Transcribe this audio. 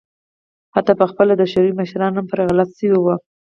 حتی په خپله د شوروي مشران هم پرې غلط شوي وو.